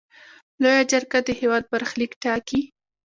لویه جرګه د هیواد برخلیک ټاکي.